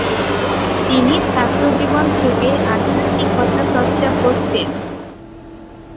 তিনি ছাত্রজীবন থেকেই আধ্যাত্মিকতা চর্চা করতেন।